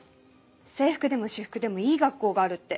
制服でも私服でもいい学校があるって。